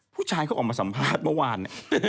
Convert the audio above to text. ผู้ชายเขาออกมาสัมภาษณ์เมื่อวาน